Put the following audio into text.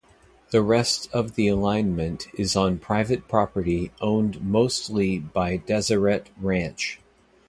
The rest of the alignment is on private property owned mostly by Deseret Ranch.